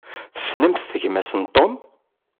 Tessnemt gma-s n Tom?